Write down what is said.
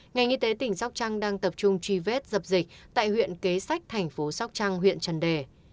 ngành y tế tỉnh sóc trăng đang tập trung truy vết dập dịch tại huyện kế sách thành phố sóc trăng huyện trần đề